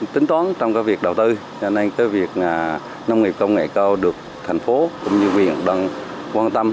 tính toán trong việc đầu tư nông nghiệp công nghệ cao được thành phố cũng như huyện quan tâm